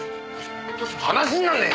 話になんねえ！